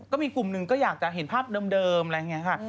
ก็มีกลุ่มหนึ่งก็อยากจะเห็นภาพเดิมอะไรอย่างนี้ค่ะ